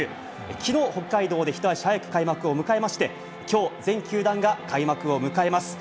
きのう、北海道で一足早く開幕を迎えまして、きょう、全球団が開幕を迎えます。